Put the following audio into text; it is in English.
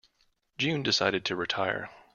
June decided to retire.